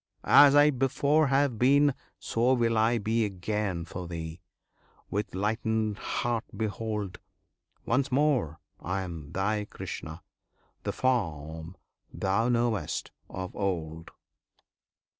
As I before have been So will I be again for thee; with lightened heart behold! Once more I am thy Krishna, the form thou knew'st of old!